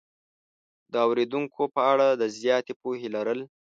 د اورېدونکو په اړه د زیاتې پوهې لرل